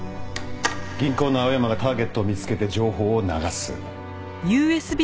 銀行の青山がターゲットを見つけて情報を流す。